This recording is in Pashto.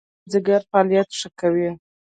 چارمغز د ځیګر فعالیت ښه کوي.